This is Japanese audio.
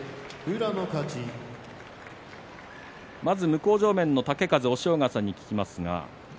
向正面の豪風押尾川さんに聞きます。